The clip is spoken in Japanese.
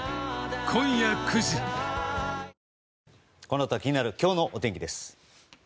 このあとは気になる今日のお天気です。